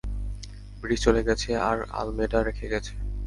British চলে গেছে আর আলমেডা রেখে গেছে।